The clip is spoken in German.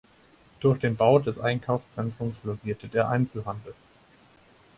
Durch den Bau der Einkaufszentrums florierte der Einzelhandel.